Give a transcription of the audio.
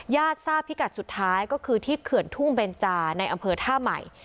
ทราบพิกัดสุดท้ายก็คือที่เขื่อนทุ่งเบนจาในอำเภอท่าใหม่